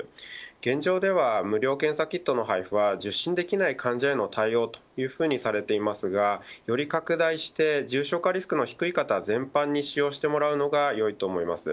現状では無料検査キットの配布は受診できない患者への対応というふうにされていますがより拡大して、重症化リスクの低い方全般に使用してもらうのがよいと思います。